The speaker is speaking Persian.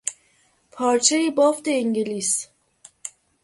پارچهی بافت انگلیس